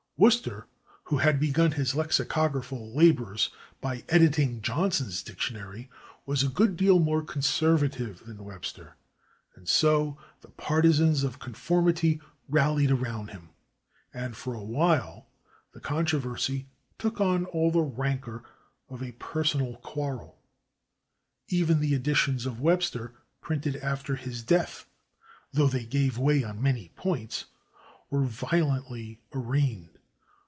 Worcester, who had begun his lexicographical labors by editing Johnson's dictionary, was a good deal more conservative than Webster, and so the partisans of conformity rallied around him, and for [Pg255] a while the controversy took on all the rancor of a personal quarrel. Even the editions of Webster printed after his death, though they gave way on many points, were violently arraigned.